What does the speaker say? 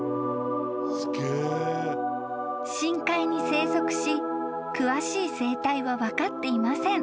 ［深海に生息し詳しい生態は分かっていません］